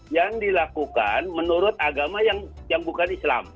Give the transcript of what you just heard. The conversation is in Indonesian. yang dilakukan menurut agama yang bukan islam